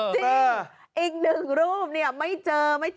จริงอีก๑รูปเนี่ยไม่เจอไม่เจอสารเสพติดไม่ม่วง